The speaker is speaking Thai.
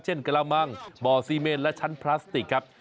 กระมังบ่อซีเมนและชั้นพลาสติกครับ